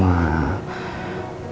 mbak jen itu beneran